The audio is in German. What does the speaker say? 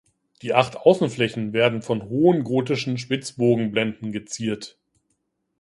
Die acht Außenflächen werden von hohen gotischen Spitzbogenblenden geziert.